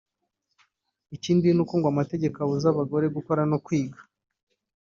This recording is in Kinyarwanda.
Ikindi ni uko ngo amategeko abuza abagore gukora no kwiga